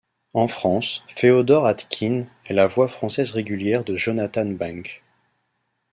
En France, Féodor Atkine est la voix française régulière de Jonathan Banks.